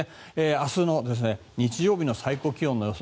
明日日曜日の最高気温の予想